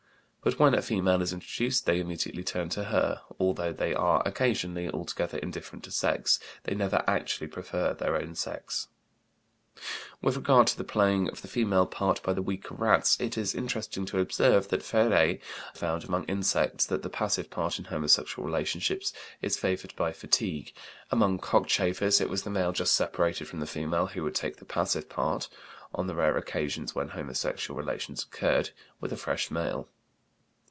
But when a female is introduced they immediately turn to her; although they are occasionally altogether indifferent to sex, they never actually prefer their own sex. With regard to the playing of the female part by the weaker rats it is interesting to observe that Féré found among insects that the passive part in homosexual relations is favored by fatigue; among cockchafers it was the male just separated from the female who would take the passive part (on the rare occasions when homosexual relations occurred) with a fresh male.